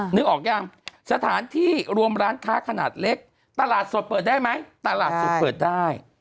นึกออกยังสถานที่รวมร้านค้าขนาดเล็กตลาดสดเปิดได้ไหมตลาดสดเปิดได้